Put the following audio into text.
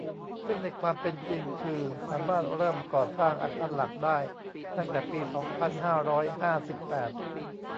ซึ่งในความเป็นจริงคือสามารถเริ่มก่อสร้างอาคารหลักได้ตั้งแต่ปี สองพันห้าร้อยห้าสิบแปด